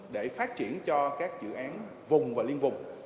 để phát triển cho các dự án vùng và liên vùng